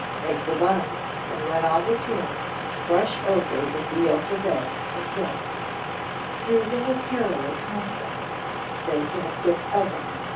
Make the buns, and when on the tins, brush over with the yolk of egg and milk; strew them with caraway comfits; bake in a quick oven.